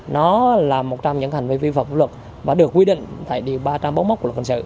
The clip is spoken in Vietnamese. nó là một trong những hành vi vi phật luật và được quy định tại điều ba trăm bốn mươi một của luật hình sự